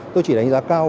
tôi chỉ đánh giá cao